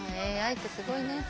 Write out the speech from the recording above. ＡＩってすごいね。